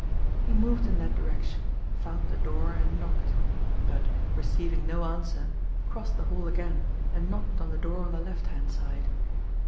He moved in that direction, found the door, and knocked; but, receiving no answer, crossed the hall again, and knocked on the door on the left hand side.